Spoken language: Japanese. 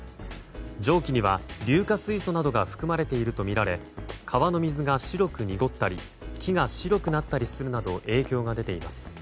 蒸気には硫化水素などが含まれているとみられ川の水が白く濁ったり木が白くなったりするなど影響が出ています。